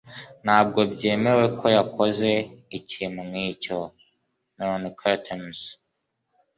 Ntabwo byemewe ko yakoze ikintu nkicyo. (meloncurtains)